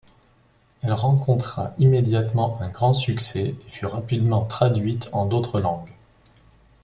Elle rencontra immédiatement un grand succès et fut rapidement traduite en d'autres langues.